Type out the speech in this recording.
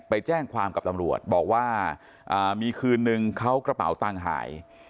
ไปแจ้งความกับตำรวจบอกว่ามีคืนนึงเขากระเป๋าตังค์หาย